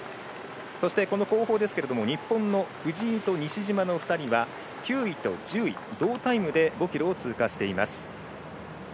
後方は日本の藤井と西島の２人は９位と１０位、同タイムで５ｋｍを通過しています。